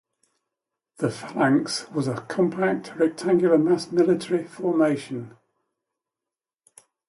The phalanx was a compact, rectangular mass military formation.